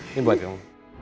ini buat kamu